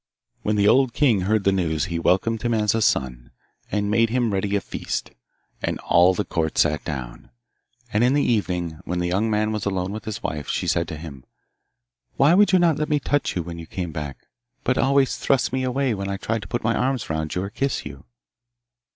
When the old king heard the news he welcomed him as a son, and made ready a feast, and all the court sat down. And in the evening, when the young man was alone with his wife, she said to him, 'Why would you not let me touch you when you came back, but always thrust me away when I tried to put my arms round you or kiss you?